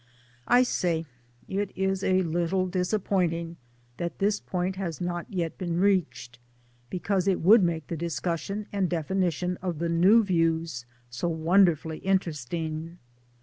I say it is a little disappointing that this point has not yet been reached, because it would make the discussion and definition of the new views so wonderfully interesting.